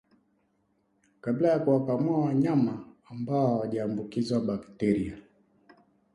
kabla ya kuwakamua wanyama ambao hawajaambukizwa Bakteria